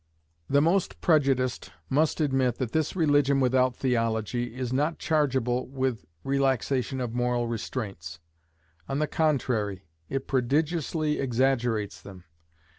The most prejudiced must admit that this religion without theology is not chargeable with relaxation of moral restraints. On the contrary, it prodigiously exaggerates them.